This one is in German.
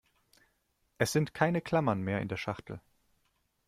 Es sind keine Klammern mehr in der Schachtel.